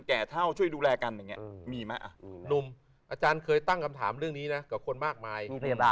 อาจารย์เคยตั้งคำถามเรื่องนี้นะกับคนมากมาย